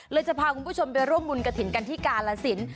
จะพาคุณผู้ชมไปร่วมบุญกระถิ่นกันที่กาลสิน